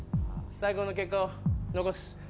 最後の結果を残す。